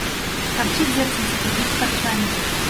Карчы дзерці ці тупіць карчамі?